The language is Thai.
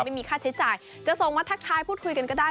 ไม่มีค่าใช้จ่ายจะส่งมาทักทายพูดคุยกันก็ได้